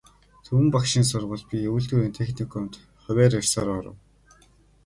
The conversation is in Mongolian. Түмэн багшийн сургуульд, би үйлдвэрийн техникумд хувиар ёсоор оров.